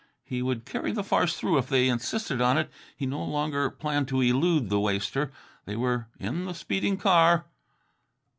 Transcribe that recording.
He would carry the farce through if they insisted on it. He no longer planned to elude the waster. They were in the speeding car.